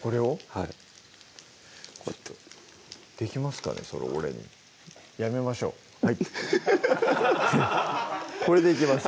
はいこうやってできますかねそれ俺にやめましょうはいこれでいきます